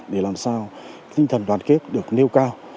để làm sao tinh thần đoàn kết được nêu cao